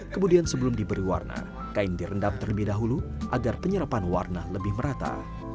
kemudian sebelum diberi warna kain direndam terlebih dahulu agar penyerapan warna lebih merata